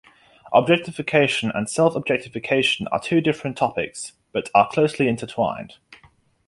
Objectification and self-objectification are two different topics, but are closely intertwined.